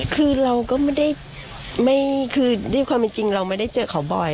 คือเราก็ไม่ได้คือด้วยความจริงเราไม่ได้เจอเขาบ่อย